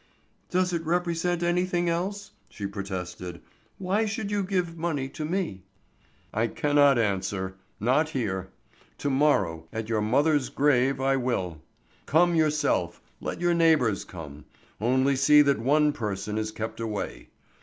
"Does it represent anything else?" she protested. "Why should you give money to me?" "I cannot answer; not here. To morrow at your mother's grave I will. Come yourself, let your neighbors come, only see that one person is kept away.